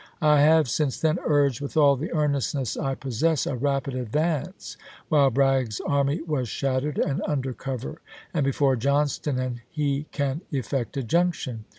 " I have, since then, urged, with all the earnestness I possess, a rapid advance while Bragg's army was shattered and under cover, and before Johnston and he can effect a junction.